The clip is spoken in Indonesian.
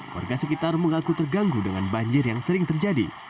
warga sekitar mengaku terganggu dengan banjir yang sering terjadi